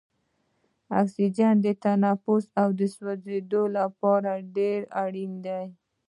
اکسیجن د تنفس او سوځیدو لپاره ډیر اړین دی.